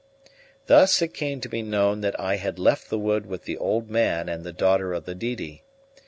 Thus it came to be known that I had left the wood with the old man and the daughter of the Didi.